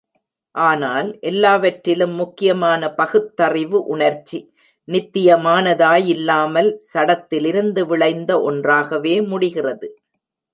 ஆனால், எல்லாவற்றிலும் முக்கியமான பகுத்தறிவு உணர்ச்சி, நித்தியமானதாயில்லாமல், சடத்திலிருந்து விளைந்த ஒன்றாகவே முடிகிறது!